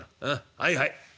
はいはい。